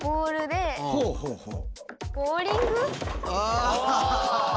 ああ。